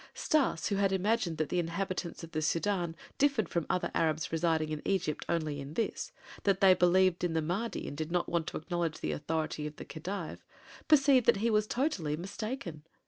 Stas, who had imagined that the inhabitants of the Sudân differed from other Arabs residing in Egypt only in this, that they believed in the Mahdi and did not want to acknowledge the authority of the Khedive, perceived that he was totally mistaken.